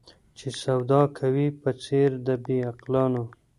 چي سودا کوې په څېر د بې عقلانو